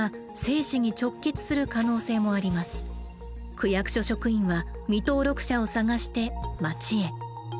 区役所職員は未登録者を探して街へ。